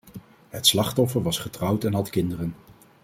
Het slachtoffer was getrouwd en had kinderen.